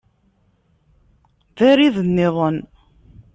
D arid-nniḍen.